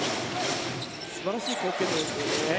素晴らしい貢献度ですね。